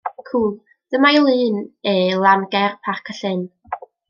Cŵl, dyma'i lun e lan ger Parc y Llyn.